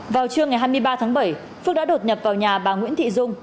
vào trưa ngày hai mươi ba tháng bảy phước đã đột nhập vào nhà bà nguyễn thị dung